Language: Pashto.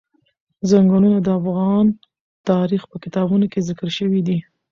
ځنګلونه د افغان تاریخ په کتابونو کې ذکر شوی دي.